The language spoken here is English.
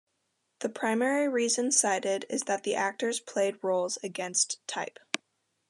The primary reason cited is that the actors played roles against type.